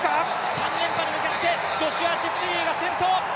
３連覇に向かって、ジョシュア・チェプテゲイが先頭！